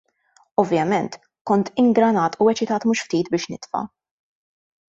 Ovvjament, kont ingranat u eċitat mhux ftit biex nitfa'.